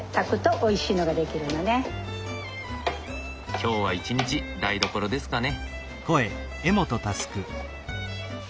今日は一日台所ですかね。